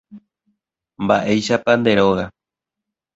Mba'éichapa nde róga.